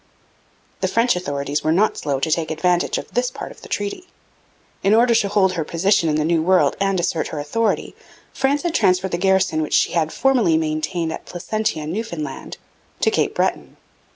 The French authorities were not slow to take advantage of this part of the treaty. In order to hold her position in the New World and assert her authority, France had transferred the garrison which she had formerly maintained at Placentia, Newfoundland, to Cape Breton.